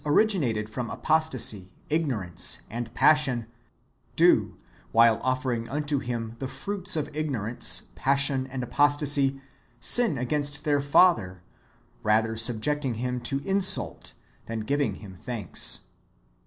435 originated from apostasy, ignorance, and passion, do, while offering unto Him tlie fruits of ignorance, passion, and apostasy, sin against their Fatlier, rather subjecting Him to insult than giving Him thanks.